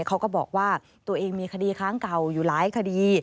เขาก็บอกว่าตัวเองมีคดีค้างเก่าอยู่หลายคดี